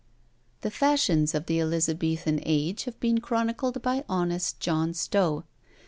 The fashions of the Elizabethan age have been chronicled by honest John Stowe.